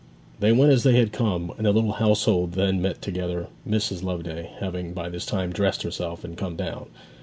They went as they had come; and the little household then met together, Mrs. Loveday having by this time dressed herself and come down.